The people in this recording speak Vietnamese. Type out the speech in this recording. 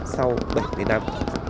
sau bảy mươi năm